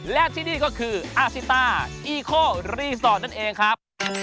และที่นี่ก็คืออาซิตาอีโครีสอร์ทนั่นเองครับ